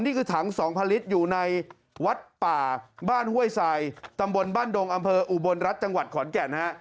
นี่คือถัง๒๐๐ลิตรอยู่ในวัดป่าบ้านห้วยสายตำบลบ้านดงอำเภออุบลรัฐจังหวัดขอนแก่นฮะ